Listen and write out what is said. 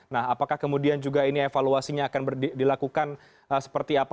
nah apakah kemudian juga ini evaluasinya akan dilakukan seperti apa